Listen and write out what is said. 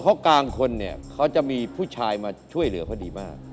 พอกลางคนเขาจะมีผู้ชายมาช่วยเหลือเขาดีมาก